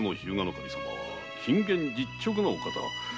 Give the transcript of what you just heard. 守様は謹厳実直なお方。